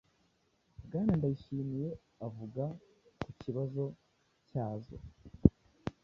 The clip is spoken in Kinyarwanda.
Bwana Ndayishimiye, avuga ku kibazo cyazo,